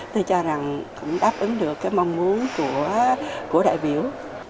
tôi cho rằng cũng đáp ứng được cái mong muốn của đại biểu